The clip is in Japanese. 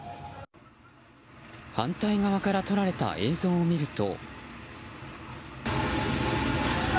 反対側から撮られた映像を見ると。